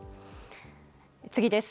次です。